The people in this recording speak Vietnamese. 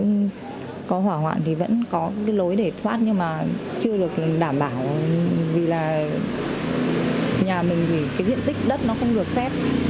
nhưng có hỏa hoạn thì vẫn có cái lối để thoát nhưng mà chưa được đảm bảo vì là nhà mình thì cái diện tích đất nó không được phép